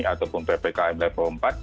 ataupun ppkm level empat